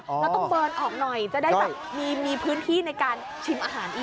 เราต้องเฟิร์นออกหน่อยจะได้แบบมีพื้นที่ในการชิมอาหารอีก